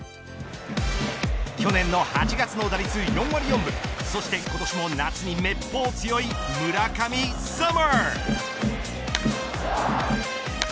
去年の８月の打率４割４分そして今年も夏にめっぽう強い村上ＳＵＭＭＥＲ。